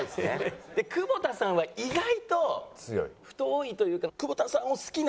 で久保田さんは意外と太いというか久保田さんを好きな。